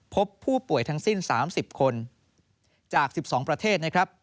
พบผู้ป่วยทั้งสิ้น๓๐คนจาก๑๒ประเทศนะครับ